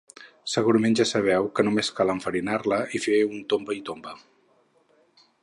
Segurament ja sabeu que només cal enfarinar-la i fer un tomba-i-tomba.